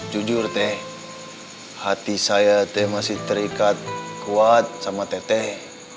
jujur teh hati saya teh masih terikat kuat sama teteh